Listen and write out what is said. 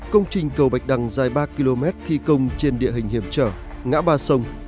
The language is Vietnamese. công trình cầu bạch đằng dài ba km thi công trên địa hình hiểm trở ngã ba sông